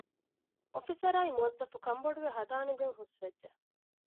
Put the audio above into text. އޮފިސަރާއި މުވައްޒަފު ކަންބޮޑުވެ ހަދާނެގޮތް ހުސްވެއްޖެ